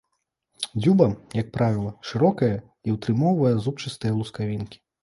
Дзюба, як правіла, шырокая і ўтрымоўвае зубчастыя лускавінкі.